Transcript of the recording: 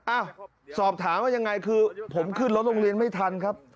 อ้าวสอบถามว่ายังไงคือผมขึ้นรถโรงเรียนไม่ทันครับ